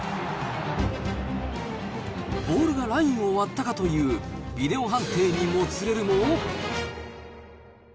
ボールがラインを割ったかという、ビデオ判定にもつれるも。